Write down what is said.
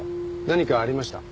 何かありました？